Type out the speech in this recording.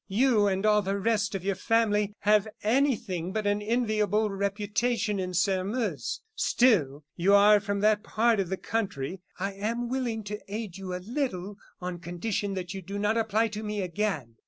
You and all the rest of your family have anything but an enviable reputation in Sairmeuse; still, as you are from that part of the country, I am willing to aid you a little on condition that you do not apply to me again."